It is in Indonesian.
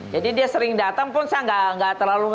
jadi dia sering datang pun saya gak terlalu